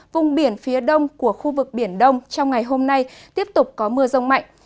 vùng biển phía đông của khu vực biển đông trong ngày hôm nay tiếp tục có mưa rông mạnh